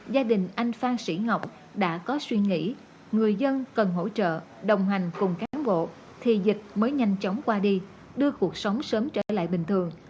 gia đình anh phan sĩ ngọc đã có suy nghĩ người dân cần hỗ trợ đồng hành cùng cán bộ thì dịch mới nhanh chóng qua đi đưa cuộc sống sớm trở lại bình thường